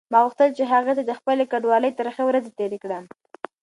ما غوښتل چې هغې ته د خپلې کډوالۍ ترخې ورځې تېرې کړم.